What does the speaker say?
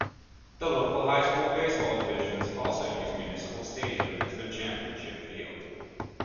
The local high school baseball divisions also use Municipal Stadium as their championship field.